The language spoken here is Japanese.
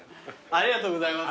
ありがとうございます。